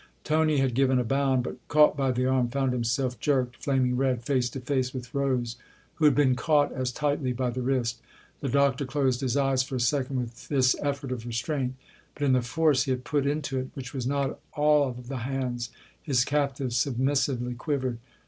Tony had given a bound, but, caught by the arm, found himself jerked, flaming red, face to face with Rose, who had been caught as tightly by the wrist. The Doctor closed his eyes for a second with this effort of restraint, but in the force he had put into it, which was not all of the hands, his captives submissively quivered.